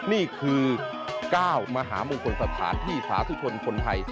นี่คือ๙มหามงคลสถานที่สาธุชนคนไทย